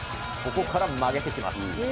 ここから曲げてきます。